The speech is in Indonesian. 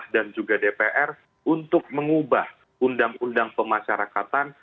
dan juga dpr untuk mengubah undang undang pemasyarakatan